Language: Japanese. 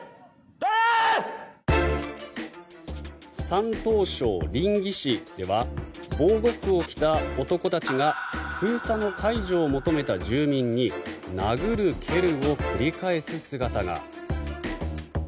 山東省臨沂市では防護服を着た男たちが封鎖の解除を求めた住民に殴る蹴るを繰り返す姿が。